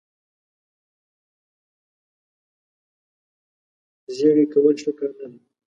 زیړې کول ښه کار نه دی.